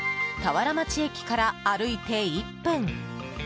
田原町駅から歩いて１分。